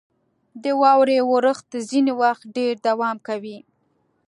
• د واورې اورښت ځینې وخت ډېر دوام کوي.